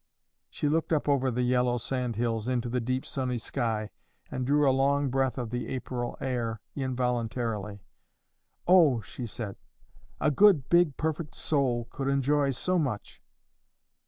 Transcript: She looked up over the yellow sand hills into the deep sunny sky, and drew a long breath of the April air involuntarily. "Oh," she said, "a good, big, perfect soul could enjoy so much."